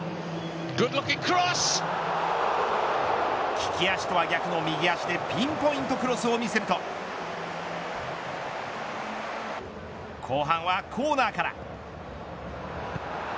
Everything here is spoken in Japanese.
利き足とは逆の右足でピンポイントクロスを見せると後半はコーナーから。